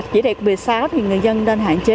chỉ đạt một mươi sáu thì người dân nên hạn chế